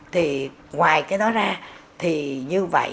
thì ngoài cái đó ra thì như vậy